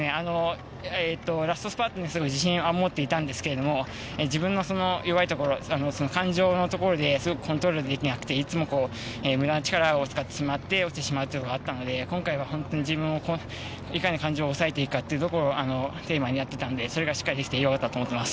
ラストスパートに自信を持っていたんですけれども、自分の弱いところ、感情のところでコントロールできなくていつも無駄な力を使ってしまって落ちてしまうというのがあったので、今回は自分のいかに感情を抑えていくかというところをテーマにやってたんでそれがしっかりできてよかったと思っています。